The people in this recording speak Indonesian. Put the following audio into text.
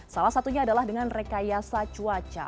salah satunya adalah dengan rekayasa cuaca